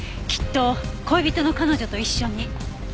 きっと恋人の彼女と一緒に。